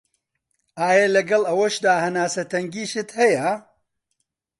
ئایا لەگەڵ ئەوەدا هەناسه تەنگیشت هەیە؟